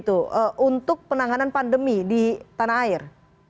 untuk penanganan pandemi di tanah air